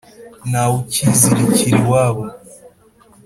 ntawukizirikira iwabo